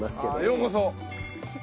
ようこそ。